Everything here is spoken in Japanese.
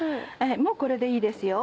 もうこれでいいですよ。